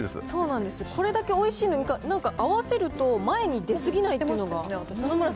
そうなんです、これだけおいしいのに、なんか、合わせると前に出過ぎないっていうのが。